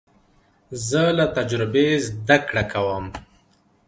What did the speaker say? زه له تجربې زده کړه کوم.